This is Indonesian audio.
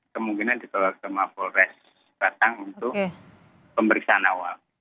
kemungkinan dibawa ke mapolres batang untuk pemeriksaan awal